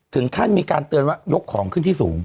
ถึงขั้นมีการเตือนว่ายกของขึ้นที่สูง